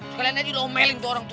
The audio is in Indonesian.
sekalian aja udah omeling tuh orang tuh